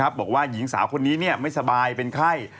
บอกว่าหญิงสาวคนนี้ไม่สบายเป็นไข้